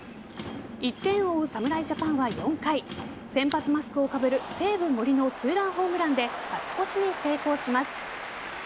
１点を追う侍ジャパンは４回先発マスクをかぶる西武・森の２ランホームランで勝ち越しに成功します。